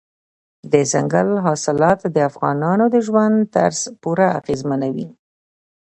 دځنګل حاصلات د افغانانو د ژوند طرز پوره اغېزمنوي.